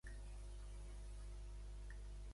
Què més va suposar l'existència de Pacul·la Annia?